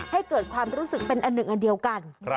ให้เกิดความรู้สึกเป็นอันหนึ่งอันเดียวกัน